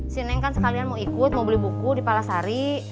sineng kan sekalian mau ikut mau beli buku di palasari